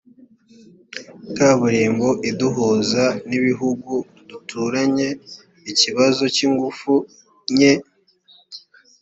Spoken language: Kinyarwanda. kaburimbo iduhuza n ibihugu duturanye ikibazo cy ingufu nke